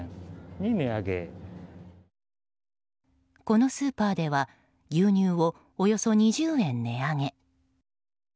このスーパーでは牛乳をおよそ２０円値上げ。